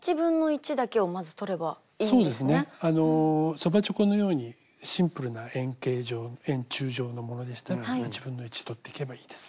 そばちょこのようにシンプルな円形状円柱状のものでしたら取っていけばいいです。